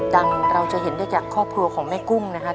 เราจะเห็นได้จากครอบครัวของแม่กุ้งนะครับ